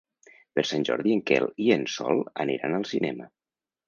Per Sant Jordi en Quel i en Sol aniran al cinema.